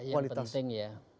yang penting ya